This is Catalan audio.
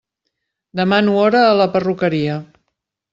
Demano hora a la perruqueria.